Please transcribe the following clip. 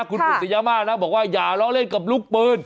คุณปุศยามานะบอกว่าอย่าล้อเล่นกับลูกปืน